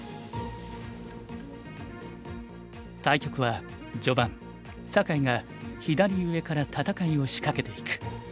対局は序盤酒井が左上から戦いを仕掛けていく。